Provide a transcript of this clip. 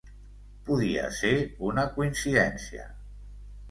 Podia ser una coincidència.